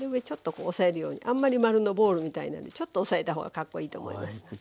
ちょっと押さえるようにあんまり丸のボールみたいなよりちょっと押さえた方がかっこいいと思います。